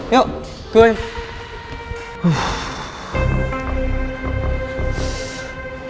yuk ke luar ya